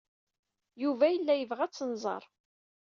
Yuba yella yebɣa ad tt-nẓer.